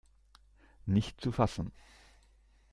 Nicht zu fassen!